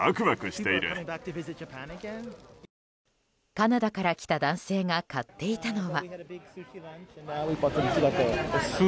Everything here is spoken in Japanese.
カナダから来た男性が買っていたのは。